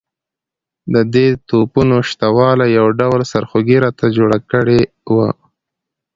د دې توپونو شته والی یو ډول سرخوږی راته جوړ کړی وو.